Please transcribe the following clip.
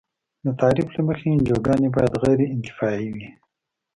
د تعریف له مخې انجوګانې باید غیر انتفاعي وي.